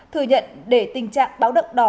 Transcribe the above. thừa nhận để tình trạng báo đậu đỏ